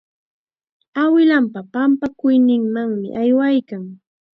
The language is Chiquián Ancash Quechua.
Awilanpa pampakuyninmanmi aywaykan.